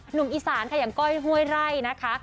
หนุ่มอีสานค่ะอย่างก้อยห้วยไร่นะคะ